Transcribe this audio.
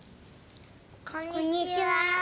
こんにちは。